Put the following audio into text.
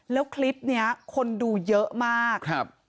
แล้วคลิปนี้คนดูเยอะมากครับ